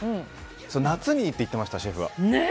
夏にいいって言ってましたシェフは。